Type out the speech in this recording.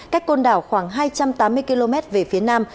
cách côn đảo khoảng hai trăm tám mươi km về phía nam